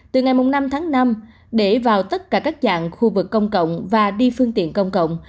từ ngày năm tháng năm để vào tất cả các dạng khu vực công cộng và đi phương tiện công cộng